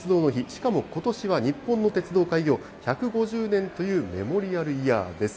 しかもことしは日本の鉄道開業１５０年というメモリアルイヤーです。